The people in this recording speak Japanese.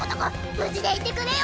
無事でいてくれよ